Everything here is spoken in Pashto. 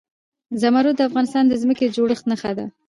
زمرد د افغانستان د ځمکې د جوړښت نښه ده.